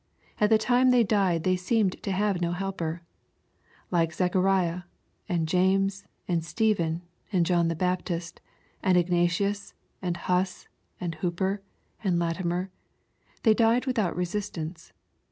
At the time they died they seemed to have no helper. Like Zacha rias, and James, and Stephen, and John the Baptist, and Ignatius, and Huss, and Hooper, and Latimer, they died without resistance.